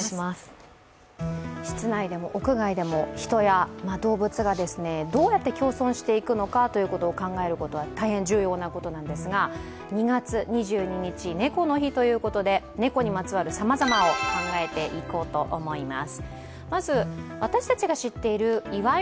室内でも屋外でも人や動物がどうやって共存していくのかということを考えるのは大変重要なことなんですが２月２２日、猫の日ということで、猫にまつわるさまざまを考えていこうと思います。